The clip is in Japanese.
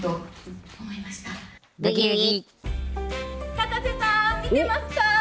高瀬さん、見てますか。